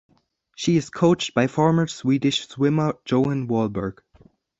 She is coached by former Swedish swimmer Johan Wallberg.